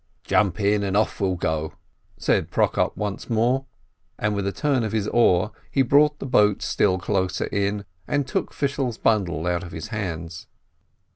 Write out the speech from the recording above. "Jump in, and off we'll go !" said Prokop once more, and with a turn of his oar he brought the boat still closer in, and took Fishel's bundle out of his hands.